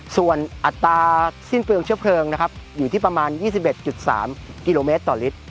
ส่วนอัตราสิ้นเปลืองเชื้อเพลิงนะครับอยู่ที่ประมาณ๒๑๓กิโลเมตรต่อลิตร